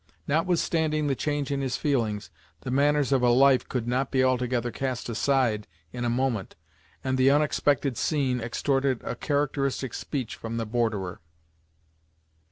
Notwithstanding the change in his feelings, the manners of a life could not be altogether cast aside in a moment, and the unexpected scene extorted a characteristic speech from the borderer.